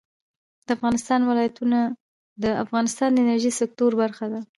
د افغانستان ولايتونه د افغانستان د انرژۍ سکتور برخه ده.